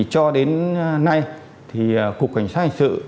cho đến nay cục cảnh sát hình sự